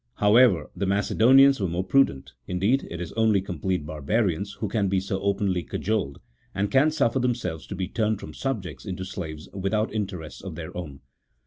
However, the Macedonians were more prudent — indeed, it is only com plete barbarians who can be so openly cajoled, and can suffer themselves to be turned from subjects into slaves without interests of their own.